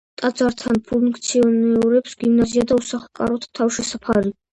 ტაძართან ფუნქციონირებს გიმნაზია და უსახლკაროთა თავშესაფარი.